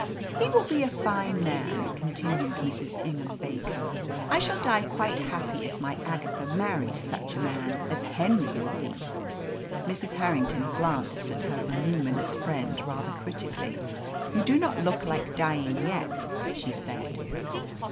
"He will be a fine man," continued Mrs. Ingham Baker. "I shall die quite happy if my Agatha marries such a man as Henry will be." Mrs. Harrington glanced at her voluminous friend rather critically. "You do not look like dying yet," she said.